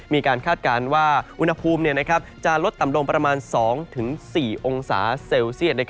คาดการณ์ว่าอุณหภูมิจะลดต่ำลงประมาณ๒๔องศาเซลเซียต